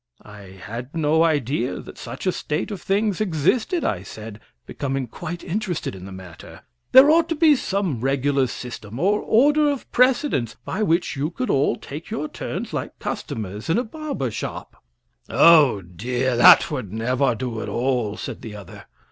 "I had no idea that such a state of things existed," I said, becoming quite interested in the matter. "There ought to be some regular system, or order of precedence, by which you could all take your turns like customers in a barber's shop." "Oh dear, that would never do at all!" said the other.